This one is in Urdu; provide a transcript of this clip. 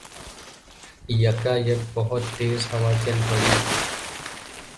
یکایک بہت تیز ہوا چل پڑی